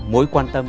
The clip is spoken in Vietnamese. mối quan tâm